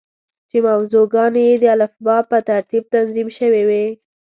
چې موضوع ګانې یې د الفبا په ترتیب تنظیم شوې وې.